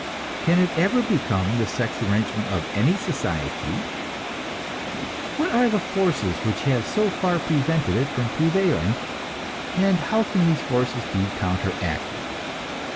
Can it ever become the sex arrangement of any society? What are the forces which have so far prevented it from prevailing, and how can these forces be counteracted?